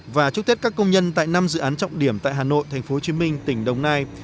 và chúc tết các công nhân tại năm dự án trọng điểm tại hà nội tp hcm tỉnh đồng nai